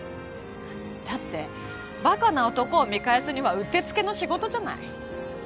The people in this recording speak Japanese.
だってバカな男を見返すにはうってつけの仕事じゃない。